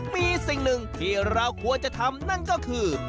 มีสิ่งหนึ่งที่เราควรจะทำนั่นก็คือ